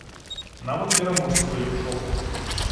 Нават пераможцы былі ў шоку.